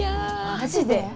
「マジで？」。